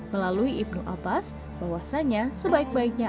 melalui ibn abbas bahwasannya